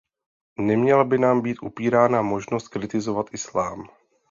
Neměla by nám být upírána možnost kritizovat islám.